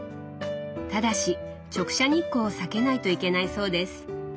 ただし直射日光を避けないといけないそうです。